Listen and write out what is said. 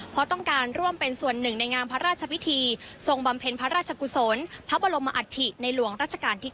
เพราะต้องการร่วมเป็นส่วนหนึ่งในงามพระราชพิธีทรงบำเพ็ญพระราชกุศลพระบรมอัฐิในหลวงรัชกาลที่๙